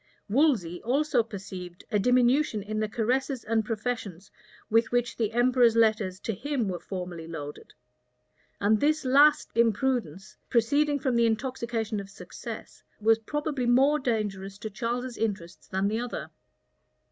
[*] Wolsey also perceived a diminution in the caresses and professions with which the emperor's letters to him were formerly loaded; and this last imprudence, proceeding from the intoxication of success, was probably more dangerous to Charles's interests than the other.